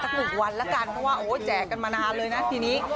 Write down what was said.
๑วันแล้วกันเพราะว่าโอ้แจกกันมานานเลยนะทีนี้